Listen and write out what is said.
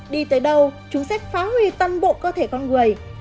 đi tới đâu chúng sẽ phá hủy toàn bộ cơ thể con người